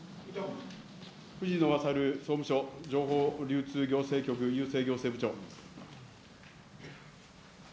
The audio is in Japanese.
藤野克総務省情報流通行政局郵政行政部長。